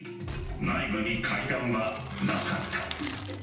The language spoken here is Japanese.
内部に階段はなかった。